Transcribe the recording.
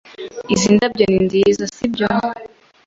Izi ndabyo ni nziza, sibyo?